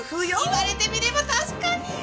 言われてみれば確かに。